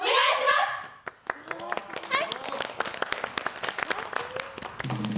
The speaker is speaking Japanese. はい！